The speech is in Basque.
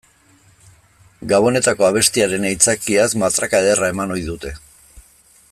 Gabonetako abestiaren aitzakiaz matraka ederra eman ohi dute.